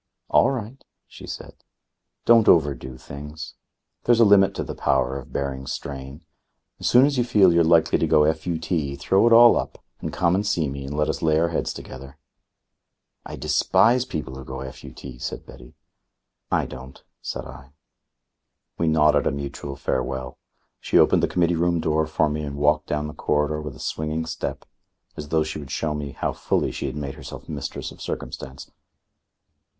"All right," she said. "Don't overdo things. There's a limit to the power of bearing strain. As soon as you feel you're likely to go FUT, throw it all up and come and see me and let us lay our heads together." "I despise people who go FUT," said Betty. "I don't," said I. We nodded a mutual farewell. She opened the Committee Room door for me and walked down the corridor with a swinging step, as though she would show me how fully she had made herself mistress of circumstance.